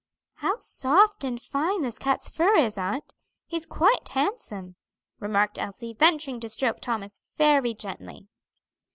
"How soft and fine this cat's fur is, aunt; he's quite handsome," remarked Elsie, venturing to stroke Thomas very gently.